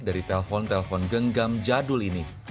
dari telpon telpon genggam jadul ini